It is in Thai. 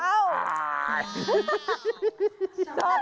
โอ้โฮปิดน้ำใต้สอง